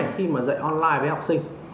khi mà dạy online với học sinh